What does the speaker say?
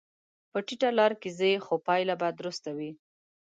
په ټیټه لار کې ځې، خو پایله به درسته وي.